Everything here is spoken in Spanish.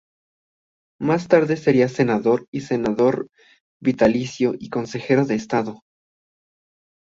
Más tarde sería Senador y Senador vitalicio y Consejero de Estado.